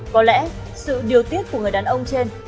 có lẽ sự điều tiết của người đàn ông trên